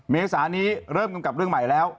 เมษานี้เริ่มกำกับเรื่องใหม่แล้ว